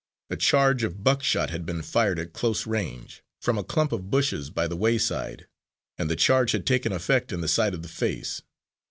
A charge of buckshot had been fired at close range, from a clump of bushes by the wayside, and the charge had taken effect in the side of the face.